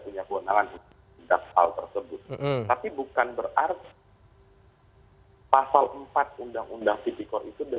pull out adalah sama aja tv paranoid menerima coleksi dan menerima status perubatan